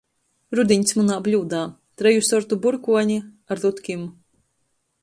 Rudiņs muna bļūdā: treju sortu būrkuoni ar rutkim.